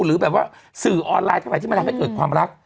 หรือแบบว่าสื่อออนไลน์เท่าไหร่ที่มันทำให้เกิดความรัก